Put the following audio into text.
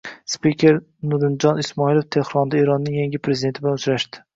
Spiker Nurdinjon Ismoilov Tehronda Eronning yangi prezidenti bilan uchrashdi